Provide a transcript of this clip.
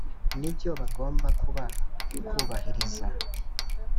nibyo bagomba kuba kubahiriza